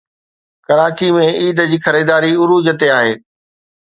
ڪراچي ۾ عيد جي خريداري عروج تي آهي